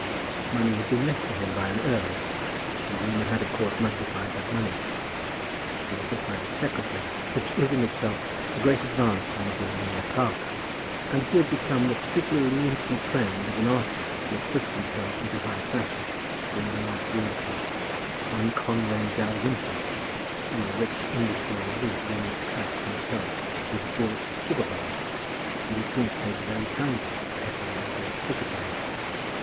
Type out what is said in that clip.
Money had been left to him by an earl, and rumour had of course magnified that money. He was a private secretary, which is in itself a great advance on being a mere clerk. And he had become the particularly intimate friend of an artist who had pushed himself into high fashion during the last year or two, one Conway Dalrymple, whom the rich English world was beginning to pet and pelt with gilt sugar plums, and who seemed to take very kindly to petting and gilt sugar plums.